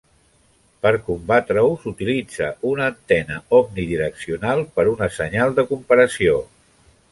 Per combatre-ho, s'utilitza una antena omnidireccional per una senyal de comparació.